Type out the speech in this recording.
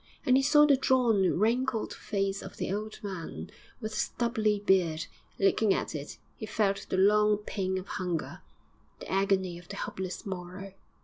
And he saw the drawn, wrinkled face of the old man, with the stubbly beard; looking at it, he felt the long pain of hunger, the agony of the hopeless morrow.